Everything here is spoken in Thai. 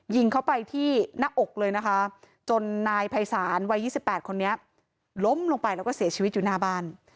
ยิงเข้าไปที่หน้าอกเลยนะคะจนนายภัยศาลวัย๒๘คนนี้ล้มลงไปแล้วก็เสียชีวิตอยู่หน้าบ้าน